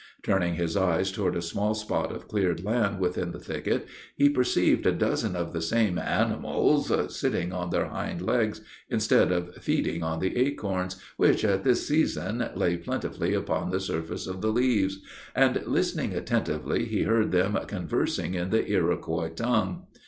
Turning his eyes toward a small spot of cleared land within the thicket, he perceived a dozen of the same animals sitting on their hind legs, instead of feeding on the acorns, which, at this season, lay plentifully upon the surface of the leaves; and, listening attentively, he heard them conversing in the Iroquois tongue.